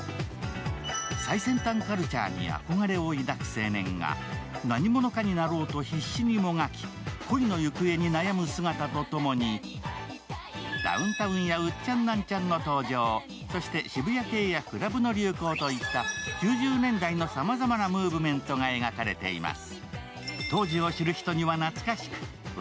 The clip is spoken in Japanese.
最先端カルチャーに憧れを抱く青年が何者かになろうと必死にもがき、恋の行方に悩む姿とともにダウンタウンやウッチャンナンチャンの登場、そして渋谷系やクラブの流行といった９０年代のさまざまなムーブメントが描かれています。